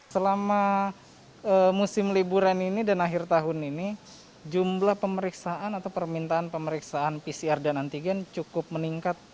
selama musim liburan ini dan akhir tahun ini jumlah pemeriksaan atau permintaan pemeriksaan pcr dan antigen cukup meningkat